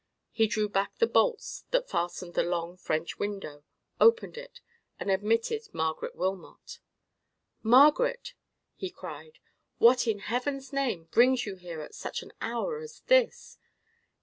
He drew back the bolts that fastened the long French window, opened it, and admitted Margaret Wilmot. "Margaret!" he cried; "what, in Heaven's name, brings you here at such an hour as this?"